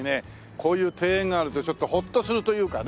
こういう庭園があるとちょっとホッとするというかね。